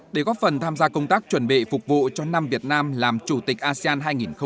để góp phần tham gia công tác chuẩn bị phục vụ cho năm việt nam làm chủ tịch asean hai nghìn hai mươi